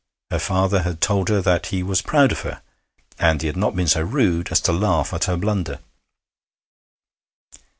Her father had told her that he was proud of her, and he had not been so rude as to laugh at her blunder.